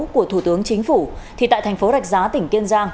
của thủ tướng chính phủ thì tại thành phố rạch giá tỉnh kiên giang